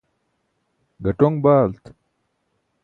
ġatoṅ baalt